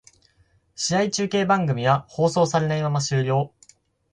試合中継番組は放送されないまま終了